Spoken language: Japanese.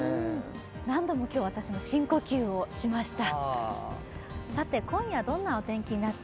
何度も今日、私も深呼吸をしました。